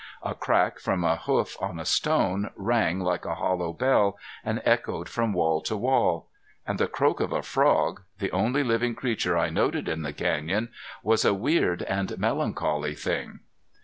A crack from a hoof on a stone rang like a hollow bell and echoed from wall to wall. And the croak of a frog the only living creature I noted in the canyon was a weird and melancholy thing.